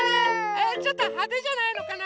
えちょっとはでじゃないのかな？